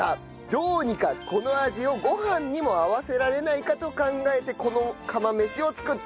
どうにかこの味をご飯にも合わせられないかと考えてこの釜飯を作ってみました。